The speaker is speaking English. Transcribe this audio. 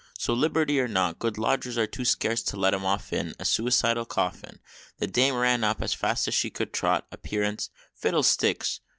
So, liberty or not, Good lodgers are too scarce to let them off in A suicidal coffin The dame ran up as fast as she could trot; Appearance, "fiddle sticks!"